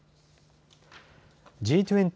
Ｇ２０・